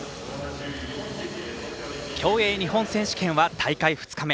競泳日本選手権は大会２日目。